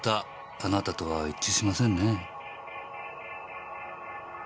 あなたとは一致しませんね。